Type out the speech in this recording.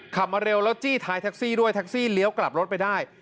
ขับมาเร็วแล้วจี้ท้ายทักซิด้วยทักซิเลี้ยวกลับรถไปได้